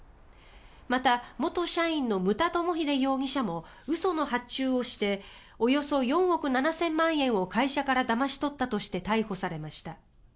また、元社員の牟田友英容疑者も嘘の発注をしておよそ４億７０００万円をだまし取ったとして逮捕されました。